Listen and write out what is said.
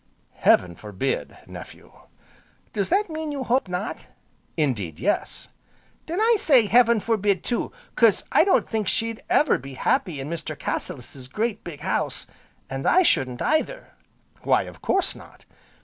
"Heaven forbid, nephew!" "Does that mean you hope not?" "Indeed yes." "Then I say heaven forbid, too, 'cause I don't think she'd ever be happy in Mr. Cassilis's great, big house. An' I shouldn't either." "Why, of course not!"